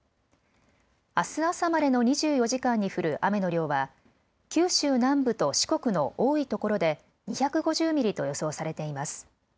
あす朝までの２４時間に降る雨の量は九州南部と四国の多いところで２５０ミリと予想されています。